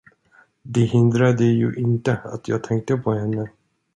Det hindrade ju inte att jag tänkte på henne.